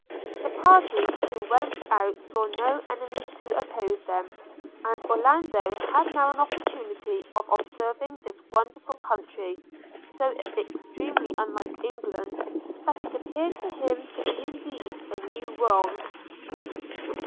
The parties who went out saw no enemies to oppose them; and Orlando had now an opportunity of observing this wonderful country, so extremely unlike England, that it appeared to him to be indeed a new world.